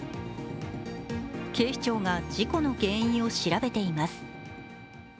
警視庁が事故の原因を調べています。